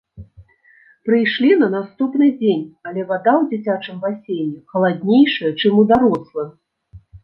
Прыйшлі на наступны дзень, але вада ў дзіцячым басейне халаднейшая, чым у дарослым.